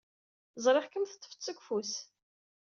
Ẓriɣ-kem teḍḍfed-t seg ufus.